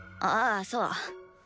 ああそう。